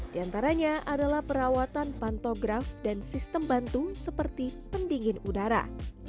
di antaranya adalah perawatan pantograf dan sistem bantu seperti pendingin udara